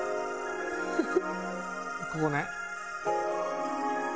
「ここね」